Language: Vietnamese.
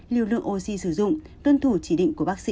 lưu lượng oxy sử dụng tuân thủ chỉ định của bác sĩ